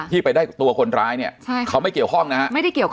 ไปได้ตัวคนร้ายเนี่ยใช่เขาไม่เกี่ยวข้องนะฮะไม่ได้เกี่ยวกับ